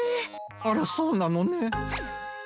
あらそうなのね。